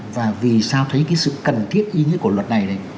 và vì sao thấy cái sự cần thiết ý nghĩa của luật này